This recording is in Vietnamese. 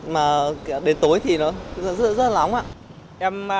mà đến tối thì nó rất là nóng ạ